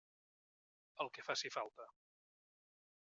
El que faci falta.